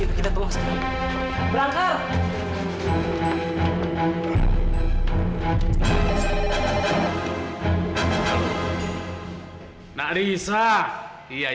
emangnya kamu gak ada kerjaan